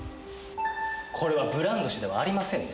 これはブランド氏ではありませんね。